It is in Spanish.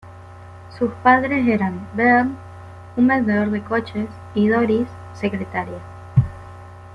Sus padres eran Vern, un vendedor de coches, y Doris, secretaria.